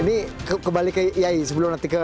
ini kembali ke yayi sebelum nanti ke mas adi